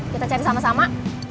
kita cari sama sama